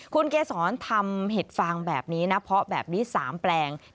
คุณเกษรทำเห็ดฟางแบบนี้นะเพาะแบบนี้๓แปลง